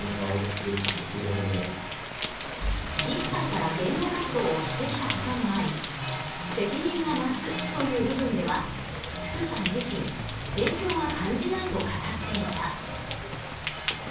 １歳から芸能活動をしてきたこともあり責任が増すという部分では福さん自身影響は感じないと語っていた。